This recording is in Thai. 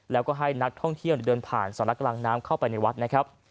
แล้วก็ให้นักท่องเที่ยวเดินผ่านสำนักกลางน้ำเข้าไปในวัดนะครับ